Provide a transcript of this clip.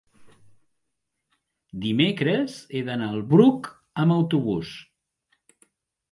dimecres he d'anar al Bruc amb autobús.